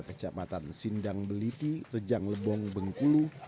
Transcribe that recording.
kecamatan sindang beliti rejang lebong bengkulu